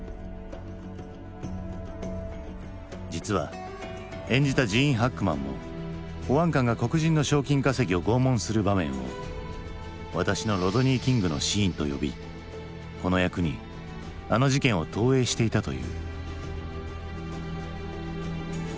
実は演じたジーン・ハックマンも保安官が黒人の賞金稼ぎを拷問する場面を「私のロドニー・キングのシーン」と呼びこの役にあの事件を投影していたという。